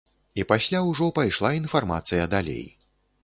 І пасля ўжо пайшла інфармацыя далей.